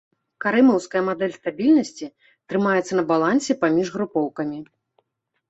Карымаўская мадэль стабільнасці трымаецца на балансе паміж групоўкамі.